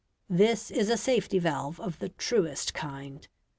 This is a safety valve of the truest kind.